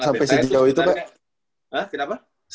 sampai sejauh itu pak